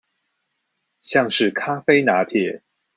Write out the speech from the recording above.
像是咖啡拿鐵